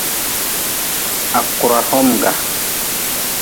Ha kura homga.